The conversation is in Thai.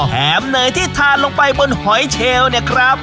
แหมเนยที่ทานลงไปบนหอยเชลเนี่ยครับ